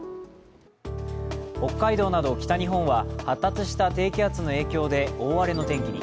北海道など北日本は発達した低気圧の影響で大荒れの天気に。